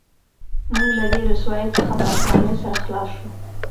موږ له دې رسوایۍ څخه په اسانۍ سره خلاص شو